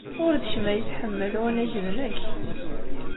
Ur d kemm ay tḥemmel, wanag d nekk.